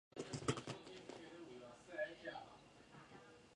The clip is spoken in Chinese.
日东驹专指日本关东地区四所私立大学的统称。